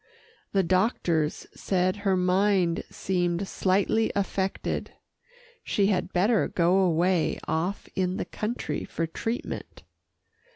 The doctors said her mind seemed slightly affected she had better go away off in the country for treatment.